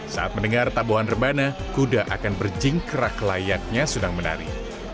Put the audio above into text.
saat mendengar tabuhan rebana kuda akan berjingkrak layaknya sedang menari